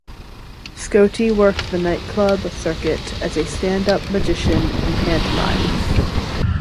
Scotti worked the night club circuit as a stand-up magician and pantomime.